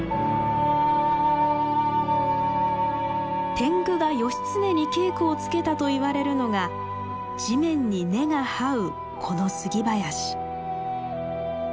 天狗が義経に稽古をつけたと言われるのが地面に根がはうこのスギ林。